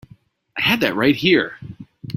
I had that right here.